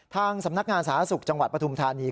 ทางสำนักงานสาธารณสุขจังหวัดปฐุมธานี